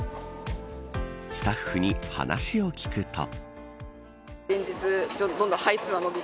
スタッフに話を聞くと。